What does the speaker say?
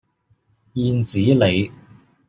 燕子里